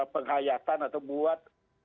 penghayatan atau buat